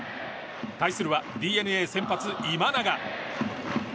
対するはＤｅＮＡ先発、今永。